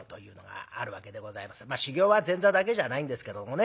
修業は前座だけじゃないんですけどもね。